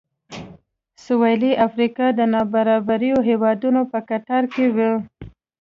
سوېلي افریقا د نابرابرو هېوادونو په کتار کې و.